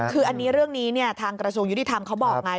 คืออันนี้เรื่องนี้ทางกระทรวงยุติธรรมเขาบอกไง